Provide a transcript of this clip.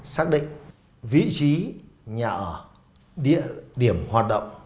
xác định vị trí nhà ở địa điểm hoạt động